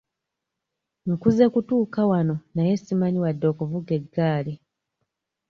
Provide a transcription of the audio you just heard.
Nkuze kutuuka wano naye simanyi wadde okuvuga eggaali.